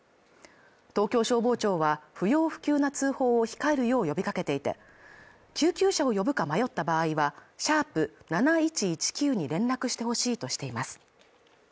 東京消防庁は不要不急な通報を控えるよう呼びかけていて救急車を呼ぶか迷った場合は♯７１１９に連絡してほしいとしています